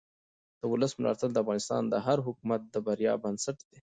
د ولس ملاتړ د افغانستان د هر حکومت د بریا بنسټ دی